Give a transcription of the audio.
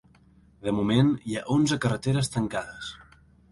De moment hi ha onze carreteres tancades.